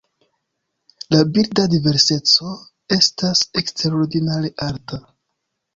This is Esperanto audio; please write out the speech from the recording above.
La birda diverseco estas eksterordinare alta.